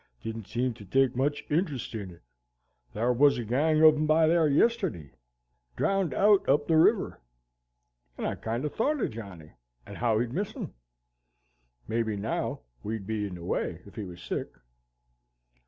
Didn't seem to take much interest in it. Thar was a gang of 'em by yar yesterday, drownded out up the river, and I kinder thought o' Johnny, and how he'd miss 'em! May be now, we'd be in the way ef he wus sick?"